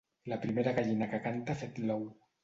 La primera gallina que canta ha fet l'ou.